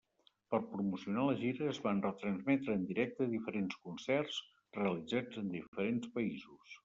Per promocionar la gira, es van retransmetre en directe diferents concerts realitzats en diferents països.